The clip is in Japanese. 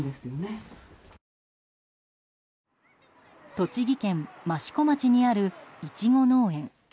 栃木県益子町にあるイチゴ農園。